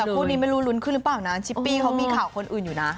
คู่นี้ไม่รู้ลุ้นขึ้นหรือเปล่านะชิปปี้เขามีข่าวคนอื่นอยู่นะ